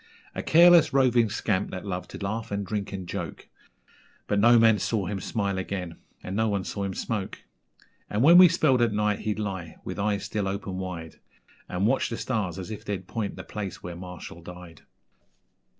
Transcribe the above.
A careless, roving scamp, that loved to laugh and drink and joke, But no man saw him smile again (and no one saw him smoke), And, when we spelled at night, he'd lie with eyes still open wide, And watch the stars as if they'd point the place where Marshall died.